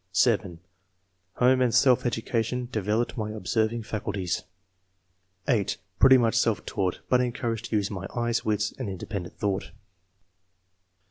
(7) *^Home and self education developed my observing faculties.'^ (8) " Pretty much self taught, but encouraged to use my eyes, wits, and independent thought.''